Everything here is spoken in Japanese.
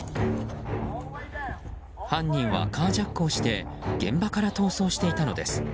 犯人はカージャックをして現場から逃走していたのです。